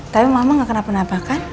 tapi mama gak kenapa kenapa kan